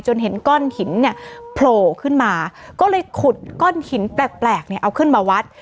เห็นก้อนหินเนี่ยโผล่ขึ้นมาก็เลยขุดก้อนหินแปลกเนี่ยเอาขึ้นมาวัด